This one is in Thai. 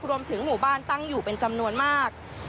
รวมถึงหมู่บ้านตั้งอยู่เป็นจำนวนมาก